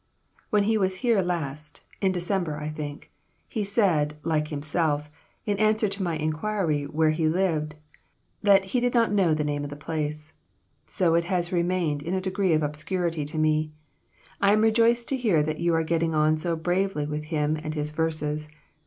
When he was here last (in December, I think), he said, like himself, in answer to my inquiry where he lived, 'that he did not know the name of the place;' so it has remained in a degree of obscurity to me. I am rejoiced to hear that you are getting on so bravely with him and his verses.